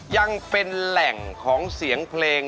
ยังเป็นแหล่งของเสียงเพลง